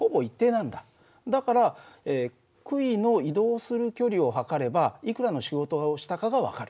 だからくいの移動する距離を測ればいくらの仕事をしたかが分かる。